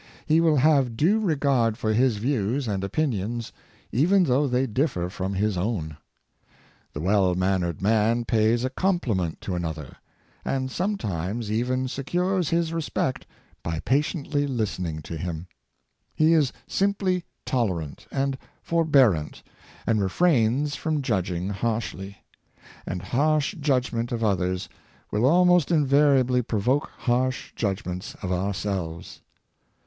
He will have due regards for his views and opinions, even though they differ from his own. The well mannered man pays a compliment to another, and sometimes even secures his respect by patiently listen ing to him. He is simply tolerant and forbearant, and refrains from judging harshly; and harsh judgment of others will almost invariably provoke harsh judgments of ourselves.